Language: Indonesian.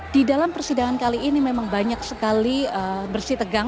di dalam persidangan kali ini memang banyak sekali bersitegang